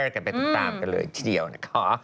กันไปตามกันเลยทีเดียวนะคะ